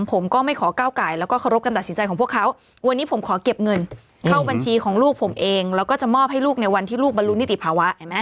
ผมก็ไม่ขอก้าวไก่แล้วก็เคารพการตัดสินใจของพวกเขาวันนี้ผมขอเก็บเงินเข้าบัญชีของลูกผมเองแล้วก็จะมอบให้ลูกในวันที่ลูกบรรลุนิติภาวะเห็นไหม